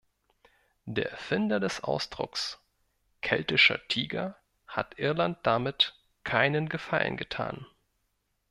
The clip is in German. Der Erfinder des Ausdrucks "Keltischer Tiger" hat Irland damit keinen Gefallen getan.